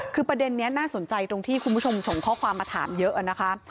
คือประเด็นนี้น่าสนใจตรงที่คุณผู้ชมส่งข้อความมาถามเยอะนะคะ